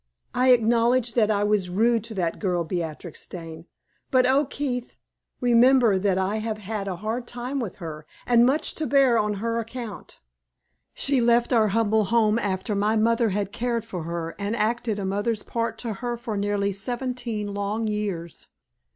I acknowledge that I was rude to that girl Beatrix Dane; but, oh, Keith! remember that I have had a hard time with her, and much to bear on her account. She left our humble home after my mother had cared for her and acted a mother's part to her for nearly seventeen long years.